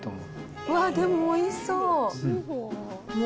うわー、でもおいしそう。